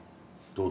どう？